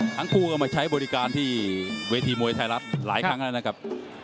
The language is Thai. ทั้งคู่ก็มาใช้บริการที่เวทีมวยไทยรัฐหลายครั้งแล้วนะครับ